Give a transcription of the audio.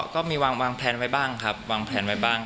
ก็มีวางแพลนไว้บ้างครับวางแผนไว้บ้าง